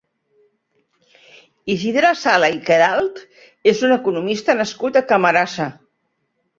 Isidre Sala i Queralt és un economista nascut a Camarasa.